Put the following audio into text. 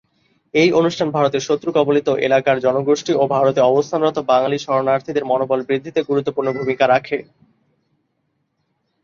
এই অনুষ্ঠান বাংলাদেশের শত্রু কবলিত এলাকার জনগোষ্ঠী ও ভারতে অবস্থানরত বাঙ্গালী শরণার্থীদের মনোবল বৃদ্ধিতে গুরুত্বপূর্ণ ভূমিকা রাখে।